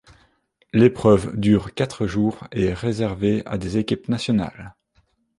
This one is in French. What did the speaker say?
L'épreuve dure quatre jours et est réservé à des équipes nationales.